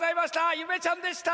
ゆめちゃんでした！